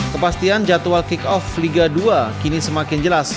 kepastian jadwal kick off liga dua kini semakin jelas